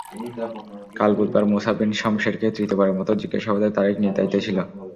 কাল বুধবার মুসা বিন শমসেরকে তৃতীয়বারের মতো জিজ্ঞাসাবাদের তারিখ নির্ধারিত ছিল।